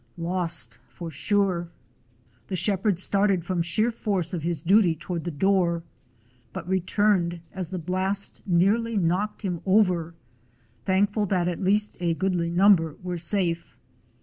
Lost, for sure! The shepherd started from sheer force of his duty toward the door, but returned as the blast nearly knocked him over, thankful that at least a goodly number were safe.